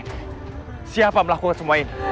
ada apa ini siapa melakukan semua ini